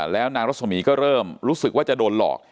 แล้วนางรัศมีร์ก็เริ่มรู้สึกว่าจะโดนหลอก